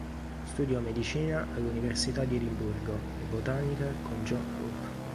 Studiò medicina all'Università di Edimburgo e botanica con John Hope.